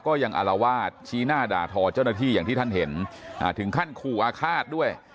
ยังอารวาสชี้หน้าด่าทอเจ้าหน้าที่อย่างที่ท่านเห็นถึงขั้นขู่อาฆาตด้วย